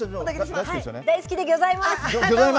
大好きでギョざいます。